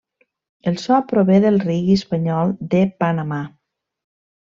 El so prové del reggae espanyol de Panamà.